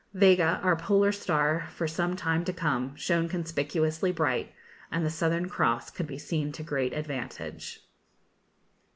Vega, our polar star for some time to come, shone conspicuously bright, and the Southern Cross could be seen to great advantage.